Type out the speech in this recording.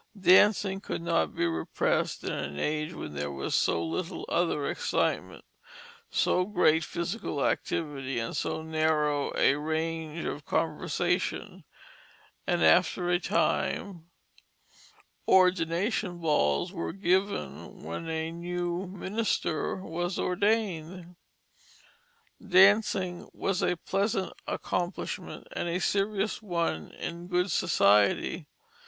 Dancing could not be repressed in an age when there was so little other excitement, so great physical activity, and so narrow a range of conversation; and after a time "Ordination balls" were given when a new minister was ordained. Dancing was a pleasant accomplishment, and a serious one in good society.